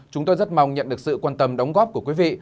chúng tôi rất mong nhận được sự quan tâm đóng góp của quý vị